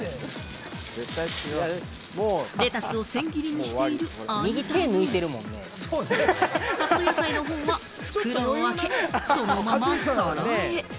レタスをせん切りにしている間に、カット野菜のほうは袋を開け、そのまま皿へ。